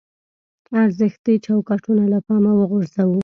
ارزښتي چوکاټونه له پامه وغورځوو.